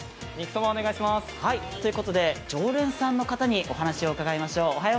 ということで、常連さんの方にお話を伺いましょう。